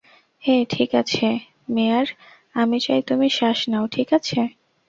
হে, ঠিক আছে, মেয়ার আমি চাই তুমি শ্বাস নাও, ঠিক আছে?